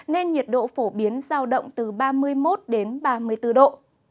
nên nhiệt độ phổ biến giao động từ ba mươi một đến ba mươi bốn độ